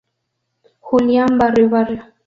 Julián Barrio Barrio.